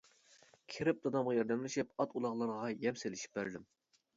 كىرىپ دادامغا ياردەملىشىپ ئات ئۇلاغلارغا يەم سېلىشىپ بەردىم.